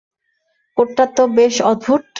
কোডটা তো বেশ উদ্ভট!